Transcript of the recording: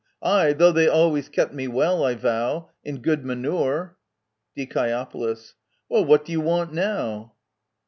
Ay, though they always kept me well, I vow — In good manure. Die. Well, what do you want now